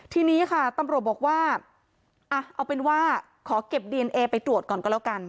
ทีนี้ค่ะตำรวจบอกว่าอ่ะเอาเป็นว่าขอเก็บดีเอนเอไปตรวจก่อนก็แล้วกัน